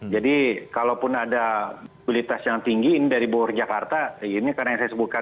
jadi kalaupun ada mobilitas yang tinggi ini dari borjakarta ini karena yang saya sebutkan